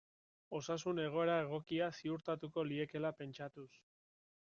Osasun egoera egokia ziurtatuko liekeela pentsatuz.